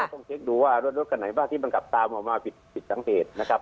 ต้องเช็คดูว่ารถรถคันไหนบ้างที่มันกลับตามออกมาผิดสังเกตนะครับ